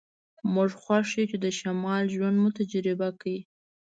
موږ خوښ یو چې د شمال ژوند مو تجربه کړ